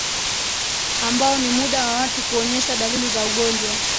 Ambao ni muda wa watu kuonyesha dalili za ugonjwa